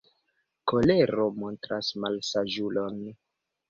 Kolero montras malsaĝulon.